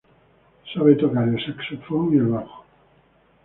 Sabe tocar el saxofón y el bajo.